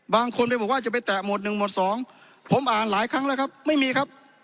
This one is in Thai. บางคนไปบอกว่าจะไปแตะหมวดหนึ่งหมวดสองผมอ่านหลายครั้งแล้วครับไม่มีครับ